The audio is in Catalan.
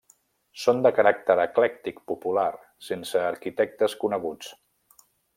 Són de caràcter eclèctic popular, sense arquitectes coneguts.